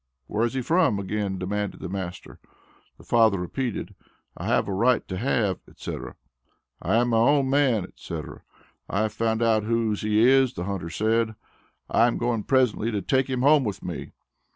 "Where is he from?" again demanded the master. The father repeated, "I have a right to have," etc., "I am my own man," etc. "I have found out whose he is," the hunter said. "I am going presently to take him home with me."